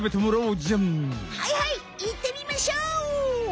はいはいいってみましょう！